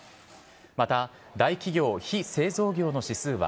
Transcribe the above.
また大企業・非製造業の指数は、